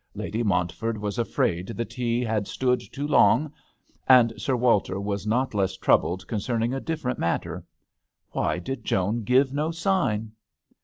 Lady Montford was afraid the tea had stood too long, and Sir Walter was not less troubled concerning a different matter. Why did Joan give no sign